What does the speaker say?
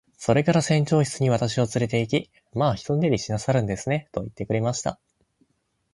それから船長室に私をつれて行き、「まあ一寝入りしなさるんですね。」と言ってくれました。